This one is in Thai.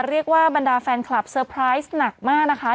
เรียกว่าบรรดาแฟนคลับเซอร์ไพรส์หนักมากนะคะ